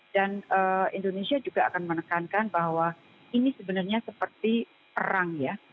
indonesia juga akan menekankan bahwa ini sebenarnya seperti perang ya